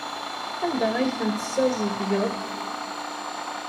Anda ay ten-tessazedgeḍ?